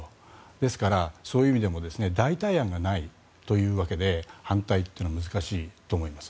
ですから、そういう意味でも代替案がないというわけで反対というのは難しいと思います。